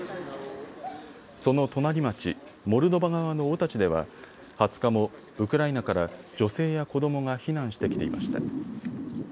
その隣町、モルドバ側のオタチでは２０日もウクライナから女性や子どもが避難してきていました。